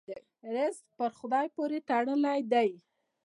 رزق په خدای پورې تړلی دی.